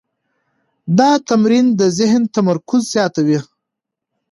دا تمرین د ذهن تمرکز زیاتوي.